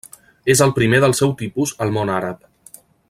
És el primer del seu tipus al món àrab.